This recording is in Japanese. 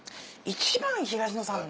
１番東野さん。